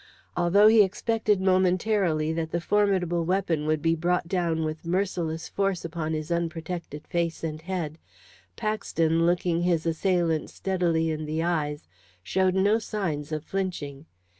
Although he expected, momentarily, that the formidable weapon would be brought down with merciless force upon his unprotected face and head, Paxton, looking his assailant steadily in the eyes, showed no signs of flinching.